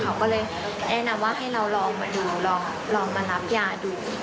เขาก็เลยแนะนำว่าให้เราลองมาดูลองมารับยาดู